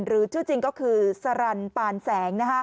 หรือชื่อจริงก็คือสรันปานแสง